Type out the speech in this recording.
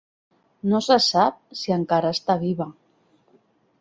No se sap si encara està viva.